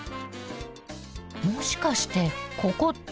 もしかしてここって。